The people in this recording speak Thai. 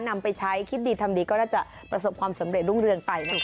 นำไปใช้คิดดีทำดีก็น่าจะประสบความสำเร็จรุ่งเรืองไปนั่นเอง